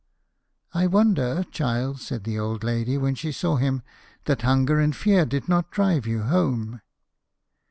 " I wonder, child," said the old lady when she saw him, " that hunger and fear did not drive you home."